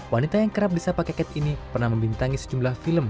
wanita yang kerap bisa pakai cat ini pernah membintangi sejumlah film